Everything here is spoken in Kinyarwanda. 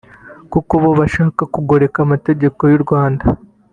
kuko bo bashakaga kugoreka amateka y’u rwanda